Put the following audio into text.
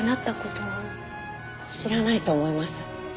知らないと思います。